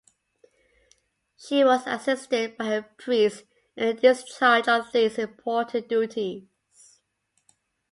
She was assisted by her priest in the discharge of these important duties.